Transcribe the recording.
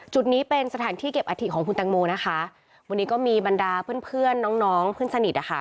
จุดนี้เป็นสถานที่เก็บอาถิของคุณแตงโมนะคะวันนี้ก็มีบรรดาเพื่อนเพื่อนน้องน้องเพื่อนสนิทอ่ะค่ะ